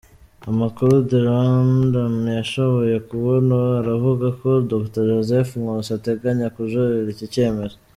Amakuru The Rwandan yashoboye kubona aravuga ko Dr Joseph Nkusi ateganya kujuririra iki cyemezo.